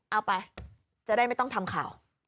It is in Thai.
เอาไปจะได้ไม่ต้องทำข่าว